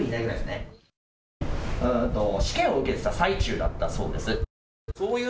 試験を受けていた最中だったそうです。